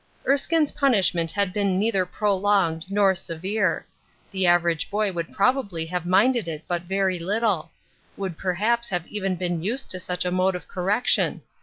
Erskine's punishment had been neither prolonged nor severe. The average boy would probably have minded it but very little ; would perhaps have been used to such a mode of correction.